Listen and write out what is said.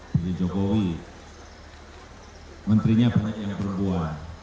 pilih jokowi menterinya banyak yang perempuan